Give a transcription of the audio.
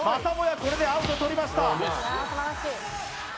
これでアウトを取りました